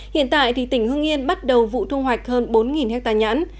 hiện tại tỉnh hương yên bắt đầu vụ thu hoạch hơn bốn ha nhãn